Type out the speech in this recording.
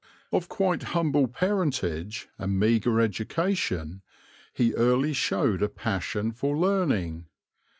Of quite humble parentage and meagre education, he early showed a passion for learning.